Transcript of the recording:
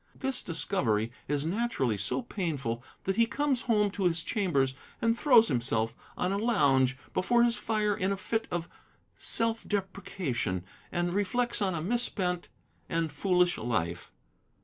This discovery is naturally so painful that he comes home to his chambers and throws himself on a lounge before his fire in a fit of self deprecation, and reflects on a misspent and foolish life.